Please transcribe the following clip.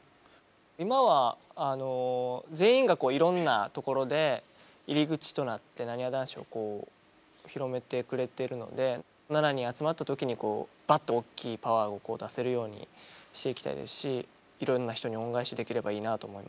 今はあの全員がいろんなところで入り口となってなにわ男子をこう広めてくれてるので７人集まった時にバッと大きいパワーを出せるようにしていきたいですしいろんな人に恩返しできればいいなと思いますね。